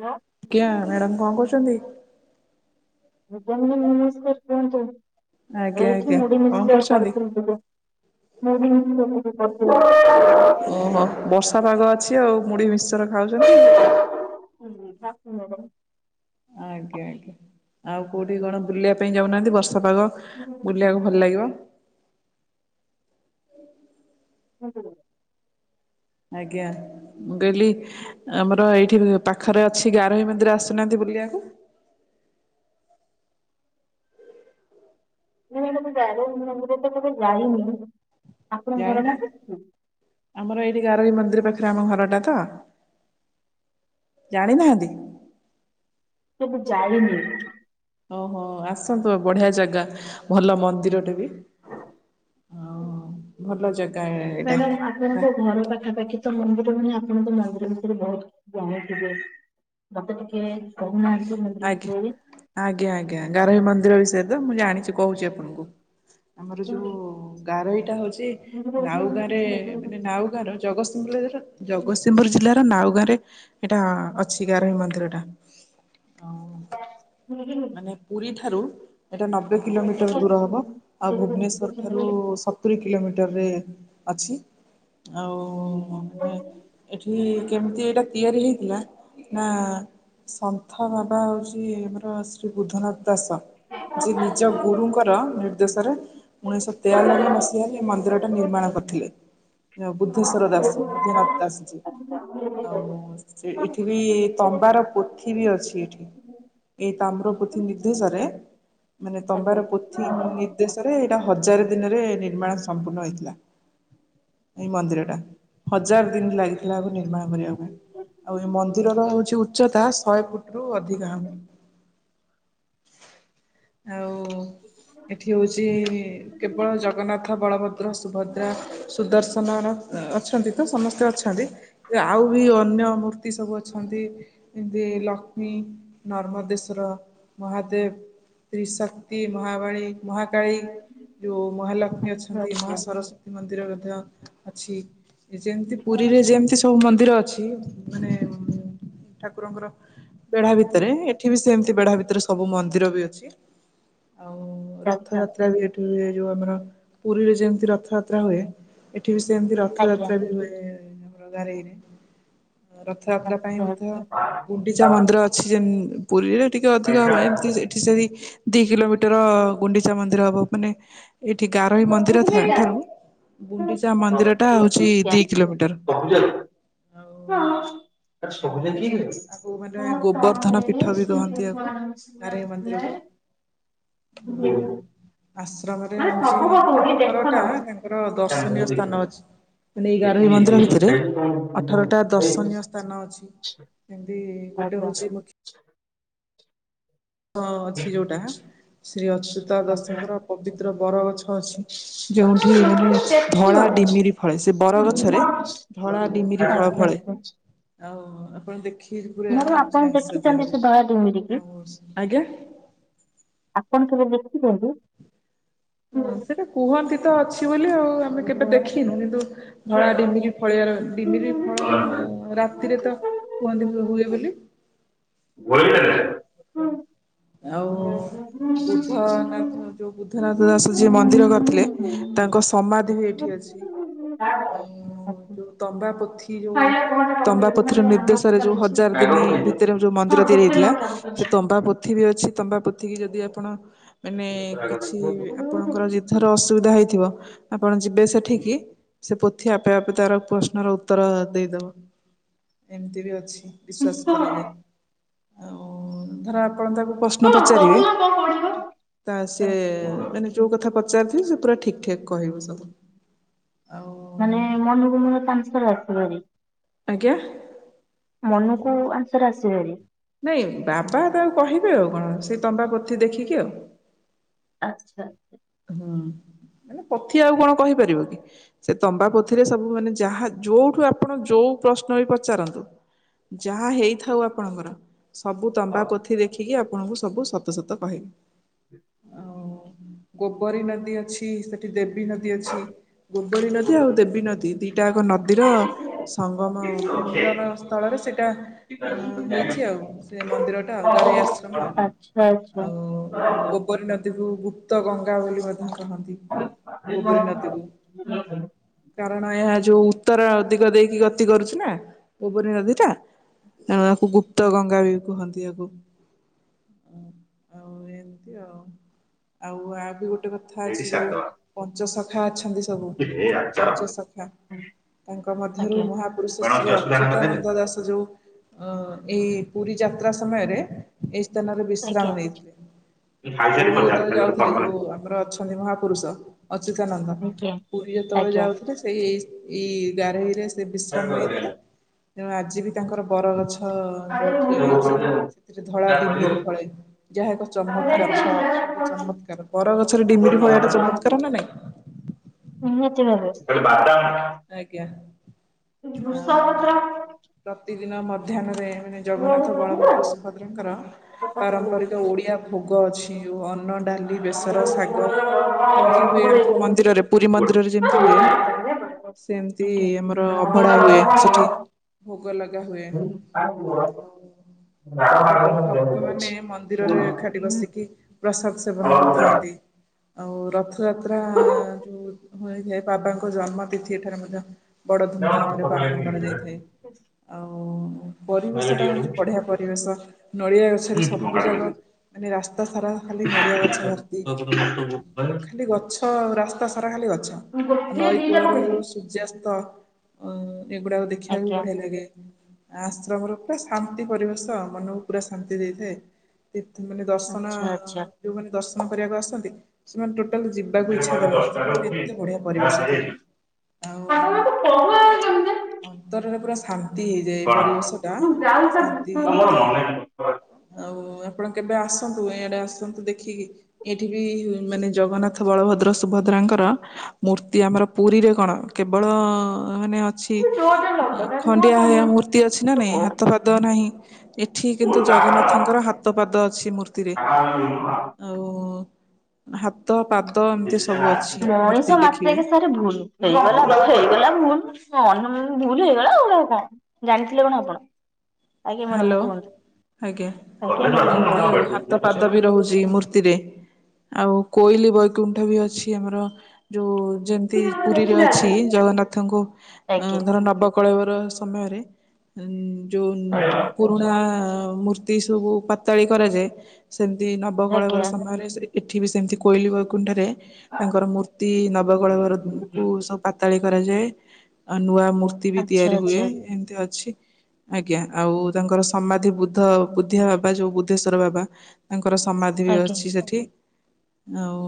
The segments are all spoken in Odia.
ପୁଅ। କିଆଁ ମ୍ୟାଡ଼ାମ୍ କଣ କହୁଛନ୍ତି? ଭୁବନ କୁ ନମସ୍କାର କୁହନ୍ତୁ। ଆଜ୍ଞା ଏଚି ଆଜ୍ଞା ମୁଢ଼ି କଣ ମିକ୍ସଚର କରୁଛନ୍ତି? କରିଥିଲି ଟିକେ। [unintelligible] ଓହୋ ବର୍ଷା ପାଗ ଅଛି ଆଉ ମୁଢି ମିକ୍ସଚର ଖାଉଛନ୍ତି ଆଉ। [unintelligible] ଆଜ୍ଞା ଆଜ୍ଞା ଆଉ କୋଉଠି କଣ ବୁଲିବା ପାଇଁ ଯାଉନାହାଁନ୍ତି ବର୍ଷାପାଗ ବୁଲିବାକୁ ଭଲ ଲାଗିବ। [unintelligible] ଆଜ୍ଞା ମୁଁ କହିଲି ଆମର ଏଇଠି ପାଖରେ ଅଛି ଗାରହି ମନ୍ଦିର ଆସୁନାହାନ୍ତି ବୁଲିବାକୁ? ନା ମୁଁ ତ ଏତେ ଜାଣିନି କି ଯାଇନି କେବେ ଯାଇନି ଆପଣଙ୍କ ଘର ଜାଣିନା ଟା? ଆମର ଏଇଠି ଗାରୋଇ ମନ୍ଦିର କେବେ ପାଖରେ ଆମ ଘରଟା ତ। ଜାଣିନାହାନ୍ତି? କେବେ ଜାଣିନି। ଓହୋ ଆସନ୍ତୁ ଆଉ ବଢ଼ିଆ ଜାଗା ଭଲ ମନ୍ଦିରଟେ ବି। ହଁ ଭଲ ଜାଗା। ମ୍ୟାଡାମ୍ ଏଇଟା। ଆପଣଙ୍କ ଘର ପାଖାପାଖି। ତ ମନ୍ଦିର ମାନେ ଆପଣ ତ ମନ୍ଦିର ଭିତରେ ବହୁତ ଜାଣଣିଥିବେ ମତେ ଟିକେ କହୁନାହାନ୍ତି ମନ୍ଦିର ଆଜ୍ଞା ବିଷୟରେ। ଆଜ୍ଞା ଆଜ୍ଞା ଗାରୋଇ ମନ୍ଦିର ବିଷୟରେ ତ ମୁଁ ଜାଣିଛି କହୁଛି ଆପଣଙ୍କୁ ଆମର ଯୋଉ ଗାରୋଇଟା ହୋଉଚି ମନ୍ଦିର ନାଉ ଗାଁରେ ମାନେ ନାଉ ଗାଁ ର ଜଗତସିଂହପୁର ଜଗତସିଂହପୁର ଜିଲ୍ଲାର ନାଉ ଗାଁ ରେ ଏଇଟା ଅଛି ଗାରୋଇ ମନ୍ଦିର ଟା। ହଁ। [unintelligible] ମାନେ ପୁରୀ ଠାରୁ ଏଇଟା ନବେ ଆଜ୍ଞା। କିଲୋମିଟର ଦୂର ହବ। ଆଉ ଭୁବନେଶ୍ୱର ଠାରୁ ସତ୍ ସତୁରୀ କିଲୋମିଟରରେ ଅଛି ଆଉ। ମାନେ ଏଠି କେମିତି ଏଇଟା ତିଆରି ହେଇଥିଲା ନା ସାର୍ ରଥ ବାବା ହେଉଛି ଆମର ଶ୍ରୀ ବୁଦ୍ଧନାଥ। ଦଶ ଯେ ନିଜ ଗୁରୁଙ୍କର ନିର୍ଦ୍ଦେଶରେ ଉଣେଇଶହ ତେୟାନବେ ମସିହାରେ ଏ ମନ୍ଦିରଟା ନିର୍ମାଣ କରିଥିଲେ। ବୁଦ୍ଧେଶ୍ୱର ଦାସ ବୁଦ୍ଧିନାଥ ଦାସ ଯିଏ। ଆଜ୍ଞା। ଆଉ ଏଠି ବି ତମ୍ବାର ପୋଥି ବି ଅଛି ଏଠି। ଏଇ ତାମ୍ର ପୋଥି ନିର୍ଦ୍ଦେଶରେ ମାନେ ତମ୍ବାର ପୋଥି ନି ଦେଶରେ ଏଇଟା ହଜାର ଦିନରେ ନିର୍ମାଣ ସମ୍ପୂର୍ଣ୍ଣ ହେଇଥିଲା। ଏଇ ମନ୍ଦିରଟା। ହଜାର ଦିନ ଲାଗିଥିଲା ଆକୁ ନିର୍ମାଣ କରିବା ପାଇଁ। ଆଉ ଏ ମନ୍ଦିରର ହଉଛି ଉଚ୍ଚତା ଶହେ ଫୁଟ ରୁ ଅଧିକା ହବ ଆଉ ଏଠି ହୋଉଛି କେବଳ ଜଗନ୍ନାଥ ବଳଭଦ୍ର, ସୁଭଦ୍ରା, ସୁଦର୍ଶନ ର ଅଛନ୍ତି ତ ସମସ୍ତେ ଅଛନ୍ତି। ଆଉ ବି ଅନ୍ୟ ମୂର୍ତ୍ତି ସବୁ ଅଛନ୍ତି। ଏ ଲକ୍ଷ୍ମୀ, ନର୍ମଦେଶର ମହାଦେବ। ତ୍ରିଶକ୍ତି ମହାବାଣୀ ମହାକାଳୀ। ଯୋଉ ମହାଲକ୍ଷ୍ମୀ ଅଛନ୍ତି, ମହା ସରସ୍ଵତୀ ମନ୍ଦିର ମଧ୍ୟ ଅଛି। ଏ ଯେମିତି ପୁରୀରେ ଯେମିତି ସବୁ ମନ୍ଦିର ଅଛି, ମାନେ ଠାକୁରଙ୍କର ବେଢା ଭିତରେ ଏଠି ବି ସେମିତି ବେଢା ଭିତରେ ସବୁ ମନ୍ଦିର ବି ଅଛି, ଆଉ ଆଜ୍ଞା। ରଥଯାତ୍ରା ବି ଏ ଠି ଏ ଯୋଉ ଆମର ପୁରୀରେ ଯେମତି ରଥଯାତ୍ରା ହୁଏ। ଏଠି ବି ସେମିତି ରଥଯାତ୍ରା ବି ହୁଏ ଆମର ଘାରେଇ ରେ। ର ଥଯାତ୍ରା ପାଇଁ ମଧ୍ୟ ଗୁଣ୍ଡିଚା ମନ୍ଦିର ଅଛି ଯେମ୍ ପୁରୀରେ ଟିକେ ଅଧିକ ହବ ଏମିତି ଯେ ଏଠି ସେହି ଦି କିଲୋମିଟର ଗୁଣ୍ଡିଚା ମନ୍ଦିର ହବ ମାନେ ଏଇଠି ଗାରୋଇ ମନ୍ଦିର ଥା- ଠାରୁ ଗୁଣ୍ଡିଚା ମନ୍ଦିରଟା ହଉଛି ଦି କିଲୋମିଟର। [unintelligible] ଆଉ [unintelligible] ସବୁ ଏମିତି ଆଉ ଦେଖେଇ ଆକୁ ମାନେ ଗୋବର୍ଦ୍ଧନ ପୀଠ ବି କହନ୍ତି ଆକୁ ଗାରେଇ ମନ୍ଦିରକୁ [unintelligible] ଆଉ ବୋଉ ଆଶ୍ରମରେ ହଉଛି ଦେଖ ଅଠର ଟା ତମେ। ତାଙ୍କର ମୁଁ ଦର୍ଶନୀୟ ଦେଖିବି ସ୍ଥାନ ଅଛି। ମାନେ ଏଇ ଗାରୋଇ ଦେଖିବି ମନ୍ଦିର ଯେହେତୁ ଭିତରେ ଖାଇବି ଅଠରଟା ଦର୍ଶନୀୟ ସ୍ଥାନ ଅଛି। ଯେମିତି ଗୋଟେ ଆଜ୍ଞା ଆଜ୍ଞା। ହଉଛି ମୁଖ୍ୟ ହୋ ଅଛି ଯୋଉଟା ଶ୍ରୀ ଅଚ୍ୟୁତା ଦାଶଙ୍କର ପବିତ୍ର ବର ଗଛ ଅଛି ଯେଉଁଠି ମାନେ ଧଳା ଡିମିରି ଫଳେ, ସେ ଆଚ୍ଛା ବରଗଛରେ ଧଳା ଡିମିରି ଫଳ ଆଚ୍ଛା ଫଳେ, ଆଉ ଆପଣ ଦେଖି ମ୍ୟାଡାମ୍ ଆପଣ ଦେଖିଛନ୍ତି ସେ ଧଳା ଡିମିରି କି? ଆଉ ଆଜ୍ଞା। ଆପଣ କେବେ ଦେଖିଛନ୍ତି? ହଁ ସେଟା କୁହନ୍ତି ତ ଅଛି ବୋଲି ଆଉ, ଆମେ କେବେ ଦେଖିନୁ। କିନ୍ତୁ ଧଳା ଡିମିରି ଦେଖିଛନ୍ତି? ଫଳିବାର, ଡିମିରି ଫଳ ରାତିରେ ତ କୁହନ୍ତି ହୁ-ହୁଏ ବୋଲି। [unintelligible] ଆଉ ବୁଦ୍ଧନାଥ ଯୋଉ ବୁଦ୍ଧନାଥ ଦାସ ଯିଏ ମନ୍ଦିର କରିଥିଲେ। ତାଙ୍କ ସମାଧି ବି ଏଇଠି ଅଛି, ଆଉ ଯୋଉ ତମ୍ବା ପୋଥି ଯୋଉ ଫାଇନାଲ କଣଟା ତମ୍ବା କମ୍ପ୍ଲିଟ୍ ପୋଥିର ମାନେ ଆମ ନିର୍ଦ୍ଦେଶରେ ଯୋଉ ଅଛି ହଜାର ଆଗକୁ ଦିନି ହେଇଯାଉଛି। ଭିତରେ ଯୋଉ ହଁ ମନ୍ଦିର ତିଆରି ଗୋଟେ ହେଇଥିଲା, ଲଙ୍କା ସେ ପକେଇଛି ତମ୍ବା ପୋ ଥି ବି ଅଛି, ତମ୍ବା ପୋଥି କିି ଯଦି ଆପଣ ମାନେ ଲୋକର ଆଗ କିଛି ଦେଖିବ। ଆପଣଙ୍କର ଯେ ଧର ଅସୁବିଧା ହେଇଥିବ ଆପଣ ଯିବେ ସେଠିକି ସେ ପୋଥି ଆପେ ଆପେ ତାର ପ୍ରଶ୍ନର ଉତ୍ତର ଦେଇଦବ ଏମିତି ବି ଅଛି। ବିଶ୍ଵାସ କଣ କରାଯାଏ ଆଉ ଧର ଆପଣ ତାକୁ ପ୍ରଶ୍ ଶ୍ନ କଣ ପଚାରିବେ କହୁନ କଣ ପଢିବ ତା ସିଏ ମୋର ମାନେ ଯୋଉ କଥା ପଚାରିଥିବି ସେ ପୁରା ଠିକ ଠାକ କହିବ ସବୁ। ଆଉ ମାନେ ମନକୁ ମନ ତା ଆନ୍ସର ଆସେ ଭାରି? ଆଜ୍ଞା। ମନକୁ ଆନ୍ସର୍ ଆସେ ଭାରି? ନାଇଁ ବାବା ତାଙ୍କୁ କହିବେ ଆଉ କଣ ସେ ତମ୍ବା ପୋଥି ଦେଖିକି ଆଉ। ଆଚ୍ଛା। ହୁଁ, ମାନେ ପୋଥି ଆଉ କଣ କହିପାରିବ କି? ସେ ତମ୍ବା ପୋଥିରେ ସବୁ ମାନେ ଯାହା ଯୋଉଠୁ ଆପଣ ଯୋଉ ପ୍ରଶ୍ନ ବି ପଚାରନ୍ତୁ ଯାହା ହେଇଥାଉ ଆପଣଙ୍କର ସବୁ ତମ୍ବା ପୋଥି ଦେଖିକି ଆପଣଙ୍କୁ ସବୁ ସତ ସତ କହିବ। ଗୋବରୀ ନଦୀ ଅଛି ସେଠି ଦେବୀ ନଦୀ ଅଛି। ଗୋବରୀ ନଦୀ ଆଉ ଦେବୀ ନଦୀ ଦିଟା ଯାକ ନଦୀର ସଙ୍ଗମ ମାନେ ମିଳନ ସ୍ଥଳରେ ସେଇଟା ଅ ହେଇଛି ଆଉ ସେ ମନ୍ଦିର ଟା ଆଉ ଗାରେଇ ଆଶ୍ରମ ଆଉ ଆଛା ଆଛା। [unintelligible] ପରି ନଦୀକୁ ଗୁପ୍ତ ଗଙ୍ଗା ବୋଲି ମଧ୍ୟ କହନ୍ତି। ଗୋବରୀନଦୀରେ। କାରଣ ଏହା ଯୋଉ ଉତ୍ତର ଦିଗ ଦେଇକି ଗତି କରୁଛି ନା ଗୋବରୀ ନଦୀ ଟା। ଏହାକୁ ଗୁପ୍ତ ଗଙ୍ଗା ବି କୁହନ୍ତି ୟାକୁ ଆଉ ଏମିତି ଆଉ ଆଉ ଆ ବି ଗୋଟେ କଥା ଏଇଠି ଅଛି ଯୋଉ ସାରିଦବା ପଞ୍ଚସଖା ଅଛନ୍ତି ସବୁ ଏ ଆଚାର। ପଞ୍ଚସଖା ତାଙ୍କ ମଧ୍ୟରୁ ଆଜ୍ଞା। ମହାପୁରୁଷ କଣ ଶ୍ରୀ କିଛି ଅସୁବିଧା ହେଲା ତାହେଲେ? ଅଚ୍ୟୁତାନନ୍ଦ ଦାସ ଯୋଉ ଅ ଏଇ ପୁରୀ ଯାତ୍ରା ସମୟରେ ଏଇ ସ୍ଥାନରେ ବିଶ୍ରାମ ଆଜ୍ଞା। ନେଇଥିଲେ ଖାଇସାରି ପୁରୀ ପଚାର ଯେତେବେଳେ ଖାଲି ଗୋଟେ ଯାଉଥିଲେ ଫର୍ମାଲିଟି। ଯୋଉ ଆମର ଅଛନ୍ତି ମହାପୁରୁଷ ଅଚ୍ୟୁତାନନ୍ଦ ଆଜ୍ଞା ପୁରୀ ଯେତେବେଳେ ଆଜ୍ଞା। ଯାଉଥିଲେ। ସେଇ ଏଇ ଗାରୋଇରେ ସେ ବିଶ୍ରାମ ଆଚ୍ଛା ନେଇଥିଲେ ତେଣୁ ଆଜି ବି ତାଙ୍କର ବର ଗଛ ହଁ ଯୋଉ ଠିଆ ହେଇଛି ସେଥିରେ ଧଳା ଡିମିରି ଫଳେ ଯାହା ଏକ ଚମତ୍କାର ଚମତ୍କାର ବର ଗଛରେ ଡିମିରି ଫଳେ ଏଟାଚମତ୍କାର ନା ନାଇଁ। ନିଆତି ବାଗ ଖାଲି ବାଦା। ଆଜ୍ଞା ଆଉ ପ୍ରତିଦିନ ମଧ୍ୟାହ୍ନରେ ମାନେ ନେବୁ ଜଗନ୍ନାଥ ବଳଭଦ୍ର ସୁଭଦ୍ରଙ୍କର ପାରାମ୍ପରିକ ଓଡ଼ିଆ ଭୋଗ ଅଛି। ି ଅନ୍ନ ଡାଲି ବେସର ଶାଗ ଏମତି ହୁଏ ଆମ ନା ମନ୍ଦିରରେ ଆଜ୍ଞା। ଗୋଟିଏ ଦିଟା ପକେଇଦେବି। ଆଜ୍ଞା ଆଚ୍ଛା ଆଚ୍ଛା। ପୁରୀ ମନ୍ଦିରରେ ଯେମିତି ହୁଏ। ସେମିତି ଆମର ଅଭଢା ହୁଏ ସେଠି ଭୋଗ ଲଗା ହୁଏ। ଆପଣ ମତେ ତାପରେ କହୁନ ଭକ୍ତ କେମିତି? ମାନେ ମୁଁ ମନ୍ଦିରରେଏକାଠି ବସିକି ପ୍ରସାଦ ସେବନ ଯାଉଛି କରିଥାନ୍ତି। ଆଉ ରଥଯାତ୍ରାଏ ବାବାଙ୍କ ଜନ୍ମ ତିଥି ଠାରୁ ମଧ୍ୟ। ବଡ଼ ଧୁମଧାମ ରେ ପାଳନ କରାଯାଇଥାଏ। ଆଉ ପରିବେଶଟା ହେଉଛି ବଢ଼ିଆ ପରିବେଶ ନଡିଆ ଗଛରେ ସବୁ ଯାଗ ମାନେ ରାସ୍ତା ସାରା ଖାଲି ନଡିଆ ଗଛ ଭର୍ତ୍ତି ଖାଲି ଗଛ ରାସ୍ତା ସାରା ଖାଲି ଗଛ ନଈ କୂଳର ଯୋଉ ସୂର୍ଯ୍ୟାସ୍ତ ଅ ଏଗୁଡାକ ଦେଖିବାକୁ ବଢିଆ ଲାଗେ। ଆଶ୍ରମ ର ପୁରା ଶାନ୍ତି ପରିବେଶ ମନକୁ ପୁରା ଶାନ୍ତି ଦେଇଥାଏ। ମାନେ ଦର୍ଶନ ଯୋଉମାନେ ଦର୍ଶନ କରିବାକୁ ଆସନ୍ତି। ସେମାନେ ଟୋଟାଲ ଯିବାକୁ ଇଚ୍ଛା କରନ୍ତିନିଏତେ ବଢ଼ିଆ ପରିବେଶ ଥାଏ। ଆଉ ଅନ୍ତରରେ ପୁରା ଶାନ୍ତି ଶାନ୍ତି ହେଇଯାଏ ପରିବେଶ ଟା ଶାନ୍ତି ତା ହୋଇଯାଇଥାଏ। ଭିତରକୁ। ଆଉ ଆପଣ କେବେ ଆସନ୍ତୁ ଏଇଆଡେ ଆସନ୍ତୁ ଦେଖିକି? ଏଠି ବି ମାନେ ଜଗନ୍ନାଥ ବଳଭଦ୍ର ସୁଭଦ୍ରାଙ୍କର ମୂର୍ତ୍ତି ଆମର ପୁରୀରେ କଣ କେବଳ ମାନେ ଅଛି। ତୁ ଡୋର୍ ଟା ଲକ୍ କର ନହେଲେ ମୋର ଖଣ୍ଡିଆ କଣ ଭଳି ଆ ଭୁଲ। ମୂର୍ତ୍ତି ଅଛି ନା ତୁ ନାଇଁ ବୋଉ ହାତ ପାଦ ନାହିଁ। ଏଠି କିନ୍ତୁ ଜଗନ୍ନାଥଙ୍କର ହାତ ପାଦ ଅଛି ମୂର୍ତ୍ତିରେ ମଣିଷ ଆଉ ହାତ ପାଦ ଏମିତି ସବୁ ଅଛି ମୂର୍ତ୍ତି ଦେଖିବେ ମାତ୍ରକେ ଭୁଲ। ହେଇଗଲା ହେଇଗଲା ଭୁଲ ଭୁଲ ହେଇଗଲା ଆଉ କଣ ଜାଣିଥିଲେ କଣ ଆପଣ? ଆଜ୍ଞା ମ୍ୟାଡ ହ୍ୟାଲୋ କୁହନ୍ତୁ। ଆଜ୍ଞା ଦିମୂର୍ତ୍ତିରେ ଆଉ କୋଇଲି ବୈକୁଣ୍ଠ ବି ଅଛି ଆମର। ଯୋଉ ଯେମିତି ପୁରୀରେ ଅଛି ଜଗନ୍ନାଥଙ୍କୁ ଧର ନବ- ନବକଳେବର ସମୟରେ ଯୋଉ ପୁରୁଣା ମୂର୍ତ୍ତି ସବୁ ପାତାଳି କରାଯାଏ, ସେମିତି ନବକଳବର ସମୟରେ ସେ ଏଠି ବି ସେମିତି କୋଇଲି ବୈକୁଣ୍ଠରେ ତାଙ୍କର ମୂର୍ତ୍ତି ନବକଳବର କୁ ସ ପାତାଳି କରାଯାଏ ଆ ନୂଆ ମୂର୍ତ୍ତି ଆଚ୍ଛା ବି ତିଆରି ହୁଏ ଆଚ୍ଛା ଏମିତି ଅଛି। ଆଜ୍ଞା, ଆଉ ତାଙ୍କର ସମାଧି ବୁଦ୍ଧ ବୁଦ୍ଧିଆ ବାବା ଯୋଉ ବୁଦ୍ଧେଶ୍ଵର ବାବା ତାଙ୍କର ସମାଧି ବି ଆଜ୍ଞା ଅଛି ସେଠି। ଆଉ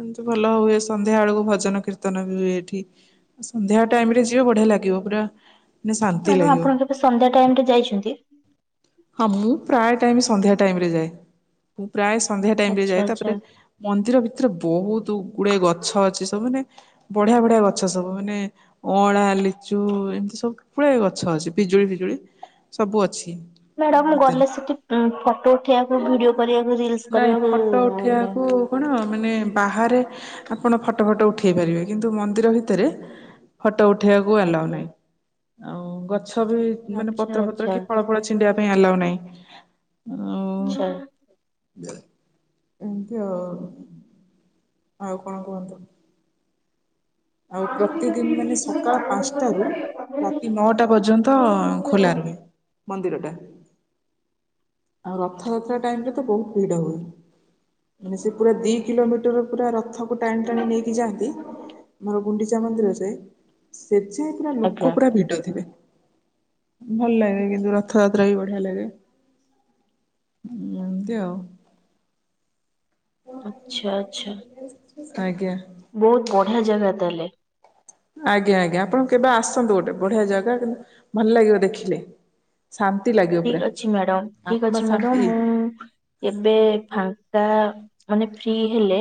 ଏମିତି ସବୁ ଭଲ ହୁଏ ସନ୍ଧ୍ୟା ବେଳକୁ ଭଜନ କୀର୍ତ୍ତନ ବି ହୁଏ ଏଠି। ସନ୍ଧ୍ୟା ଟାଇମରେ ଯିବ ବଢିଆ ଲାଗିବ ପୁରା ମାନେ ଶାନ୍ତି ମ୍ୟାଡ଼ାମ ଲାଗିବ ଆପଣ କେବେ ସନ୍ଧ୍ୟା ଟାଇମରେ ଯାଇଛନ୍ତି। ହଁ ମୁଁ ପ୍ରାୟ ଟାଇମ ସନ୍ଧ୍ୟା ଟାଇମରେ ଯାଏ, ମୁଁ ପ୍ରାୟ ସନ୍ଧ୍ୟା ଟାଇମ ଆଚ୍ଛା ଯାଏ ତ ଆଚ୍ଛା ତାପରେ ମନ୍ଦିର ଭିତରେ ବହୁତ ଗୁଡେ ଗଛ ଅଛି ସବୁ ମାନେ ବଢିଆ ବଢିଆ ଗଛ ସବୁ ମାନେ ଅଁଳା ଲିଚୁ ଏମିତି ସବୁ ପୁଲେ ଗଛ ଅଛି ପିଜୁଳି ଫିଜୁଳି ସବୁ ଅଛି। ମ୍ୟାଡାମ ଭିତରେ ଗଲେ ସେଠି ଫଟୋ ଉଠେଇବାକୁ ଭିଡିଓ କରିବାକୁ ରିଲସ ନାଇଁ କରିବାକୁ ଫଟୋ ଉଠେଇବାକୁ ଆପଣ ମାନେ ବାହାରେ ଆପଣ ଫଟୋ ଫଟୋ ଉଠାଇ ପାରିବେ କିନ୍ତୁ ମନ୍ଦିର ଭିତରେ ଫଟୋ ଉଠେଇବାକୁ ଆଲାଉ ଆଜ୍ଞା ନାହିଁ ଆଉ ଗଛ ବି ମାନେ ଆଚ୍ଛା ପତ୍ର ଫତ୍ର ଆଚ୍ଛା କି ଫଳ ଫଳ ଛି ପିିନ୍ଦୀବା ପାଇଁ ଆଲାଉ ନାହିଁ। ଆଉ ଆଚ୍ଛା ଏମିତି ଆଉ, ଆଉ କଣ କୁହନ୍ତୁ। ଆଉ ପ୍ରତିଦିନ ମାନେ ସକାଳ ପାଞ୍ଚଟାରୁ ରାତି ନଅଟା ପର୍ଯ୍ୟନ୍ତ ଖୋଲା ରୁହେ। ମନ୍ଦିର ଟା ଆଉ ରଥଯାତ୍ରା ଟାଇମରେ ତ ବହୁତ ଭିଡ ହୁଏ। ମାନେ ସେ ପୁରା ଦି କିଲୋମିଟର ପୁରା ରଥକୁ ଟାଣି ଟାଣି ନେଇକି ଯାଆନ୍ତି। ମା ଗୁଣ୍ଡିଚା ମନ୍ଦିର ଯାଏ, ସେ ଯେ ପୁରା ଆଜ୍ଞା। ଲୋକ ପୁରା ଭିଡ ଥିବେ। ଭଲ ଲାଗେ କିନ୍ତୁ ରଥଯାତ୍ରା ବି ବଢିଆ ଲାଗେ। ଏମିତି ଆଉ ଆଛା ଆଛା ଆଜ୍ଞା ବହୁତ ବଢିଆ ଜାଗା ତା ହେଲେ। ଆଜ୍ଞା ଆଜ୍ଞା ଆପଣ କେବେ ଆସନ୍ତୁ ଗୋଟେ ବଢିଆ ଜାଗା କିନ୍ତୁ ଭଲ ଲାଗିବ ଦେଖିଲେ। ଶାନ୍ତି ଲାଗେବ। ଠିକ ଅଛି ମ୍ୟାଡମ୍, ଠିକ ଅଛି ମ୍ୟାଡମ ମୁଁ କେବେ ଫାଙ୍କା ମାନେ ଫ୍ରି ହେଲେ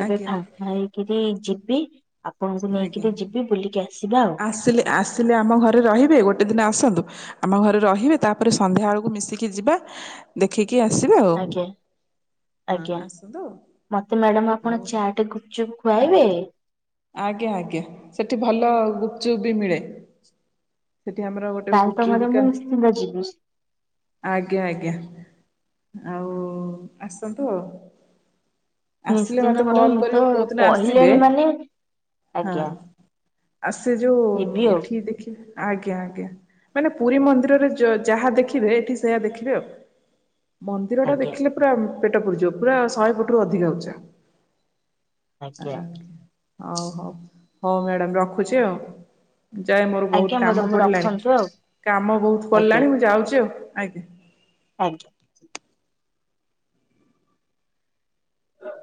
କେବେ ଆଜ୍ଞା ଫା ଖାଇକିରି ଯିବି ଆପଣଙ୍କୁ ଆଜ୍ଞା। ନେଇକିରି ଯିବି ବୁଲିକି ଆସିବା ଆଉ। ଆସିଲେ ଆସିଲେ ଆମ ଘରେ ରହିବେ ଗୋଟେ ଦିନ ଆସନ୍ତୁ। ଆମ ଘରେ ରହିବେ ତାପରେ ସନ୍ଧ୍ୟାବେଳକୁ ମିଶିକି ଯିବା। ଦେଖିକି ଆସିବେ ଆଉ ଆଜ୍ଞା ହଁ ଆଜ୍ଞା, ଆସନ୍ତୁ ମତେ ମ୍ୟାଡାମ ଆଉ ଆପଣ ଚାଟ ଗୁପଚୁପ ଖୁଆବେ ଆଜ୍ଞା, ଆଜ୍ଞା ସେଠି ଭଲ ଗୁପଚୁପ ବି ମିଳେ। ସେଠି ଆମର ଗୋଟେ ତାହେଲେ ତ ଗୁପଚୁପ ମ୍ୟାଡାମ ମୁଁ ବିକାନ୍ତି ନିଶ୍ଚିନ୍ତ ଯିବି ଆଜ୍ଞା, ଆଜ୍ଞା ଆଉ ଆସନ୍ତୁ ଆଉ ଆସିଲେ ନିଶ୍ଚିନ୍ତ ମତେ ମ୍ୟାଡାମ କଲ୍ ମୁଁ ତ କରିବେ କୋଉ ଦିନ ଆସିବେ। କହିଲେଣି ମାନେ ହଁ ଆଜ୍ଞା ଆସେ ଯୋଉ ଯିବି ଆଉ ଏଠି ଦେଖି ଆଜ୍ଞା ଆଜ୍ଞା ମାନେ ପୁରୀ ମନ୍ଦିରରେ ଯା ଯାହା ଦେଖିବେ ଏଠି ସେୟା ଦେଖିବେ ଆଉ ମନ୍ଦିର ଟା ଆଜ୍ଞା ଦେଖିଲେ ପୁରା ପେଟ ପୁଡିଯିବ ପୁରା ଶହେ ଫୁଟ୍ ରୁ ଅଧିକା ଉଚ୍ଚା। ଆଜ୍ଞା। ଆଉ ହଉ ହଉ ମ୍ୟାଡ଼ାମ ରଖୁଛି ଆଉ ଯାଏ ମୋର ଆଜ୍ଞା ବହୁତ କାମ ମ୍ୟାଡାମ ପଡ଼ିଲାଣି ରଖନ୍ତୁ ଆଉ କାମ ବହୁତ ପଲାଣି ମୁଁ ଯାଉଛି ଆଉ ଆଜ୍ଞା। ଆଜ୍ଞ ହ [inaudible]